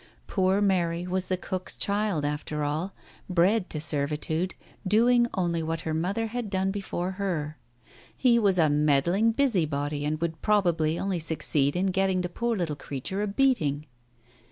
Poor Mary was the cook's child after all, bred to servitude, doing only what her mother had done before her. He was a meddling busybody and would probably only succeed in getting the poor little creature a beating.